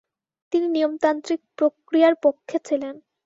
তিনি নিয়মতান্ত্রিক প্রক্রিয়ার পক্ষে ছিলেন।